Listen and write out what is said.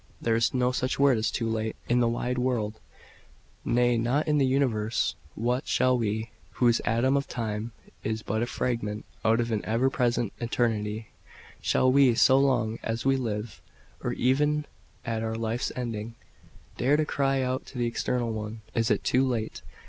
"There is no such word as 'too late,' in the wide world nay, not in the universe. What! shall we, whose atom of time is but a fragment out of an ever present eternity shall we, so long as we live, or even at our life's ending, dare to cry out to the Eternal One, 'It is too late!'"